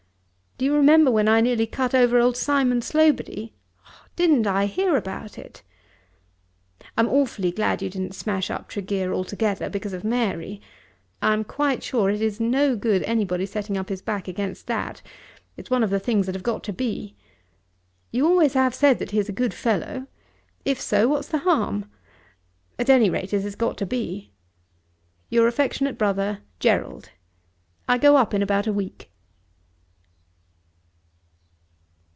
Do you remember when I nearly cut over old Sir Simon Slobody? Didn't I hear about it! I am awfully glad you didn't smash up Tregear altogether, because of Mary. I am quite sure it is no good anybody setting up his back against that. It's one of the things that have got to be. You always have said that he is a good fellow. If so, what's the harm? At any rate it has got to be. Your affectionate Brother, GERALD. I go up in about a week.